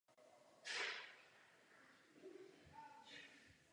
Stříbrné a bronzové mince raženy s portréty králů mají vysokou uměleckou hodnotu.